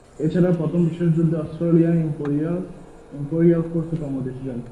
এছাড়াও প্রথম বিশ্বযুদ্ধে অস্ট্রেলিয়ান ইম্পেরিয়াল ফোর্সে কর্মরত ছিলেন।